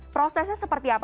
prosesnya seperti apa